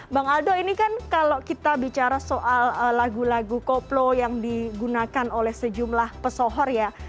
bang aldo ini kan kalau kita bicara soal lagu lagu koplo yang digunakan oleh sejumlah pesohor ya